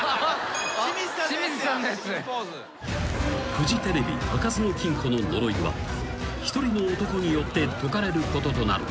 ［フジテレビ開かずの金庫の呪いは一人の男によって解かれることとなる］